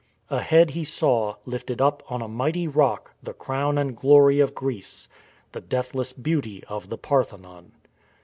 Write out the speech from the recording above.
Ahead he saw, lifted up on a mighty rock, the crown and glory of Greece, — the deathless beauty of the Parthenon.